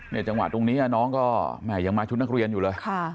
จังหวะตรงนี้น้องก็แม่ยังมาชุดนักเรียนอยู่เลย